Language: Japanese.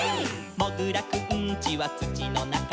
「もぐらくんちはつちのなか」「」